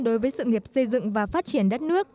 đối với sự nghiệp xây dựng và phát triển đất nước